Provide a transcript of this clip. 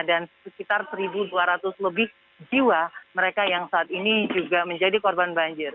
dan sekitar satu dua ratus lebih jiwa mereka yang saat ini juga menjadi korban banjir